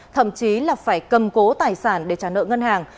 thậm chí là phải cầm cố tài sản để trả nợ ngân hàng